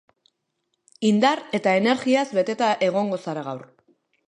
Indar eta energiaz beteta egongo zara gaur.